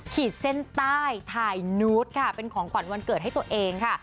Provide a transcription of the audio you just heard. ขีดเส้นใต้ถ่ายนูตค่ะเป็นของขวัญวันเกิดให้ตัวเองค่ะ